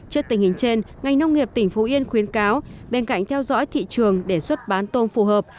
trước tình hình trên ngành nông nghiệp tỉnh phú yên khuyến cáo bên cạnh theo dõi thị trường để xuất bán tôm phù hợp